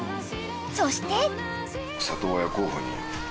［そして］